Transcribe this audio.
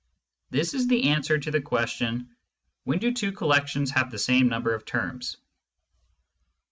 This is the answer to the question : When do two collections have the same number of terms